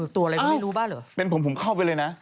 ตัวอะไรก็ไม่รู้บ้านเหรอเป็นผมผมเข้าไปเลยนะ